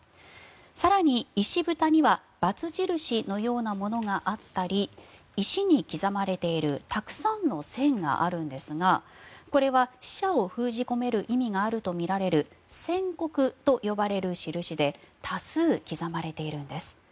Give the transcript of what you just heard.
更に、石ぶたにはバツ印のようなものがあったり石に刻まれているたくさんの線があるんですがこれは死者を封じ込める意味があるとみられる線刻と呼ばれる印で多数刻まれているんです。